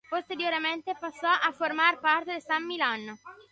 Posteriormente pasó a formar parte de San Millán.